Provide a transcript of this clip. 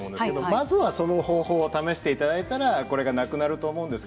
まずはその方法を試していただいたらこれはなくなると思います。